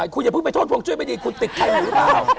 คุณอย่าเพิ่งไปโทษพวงจุ้ยไม่ดีคุณติดใครอยู่หรือเปล่า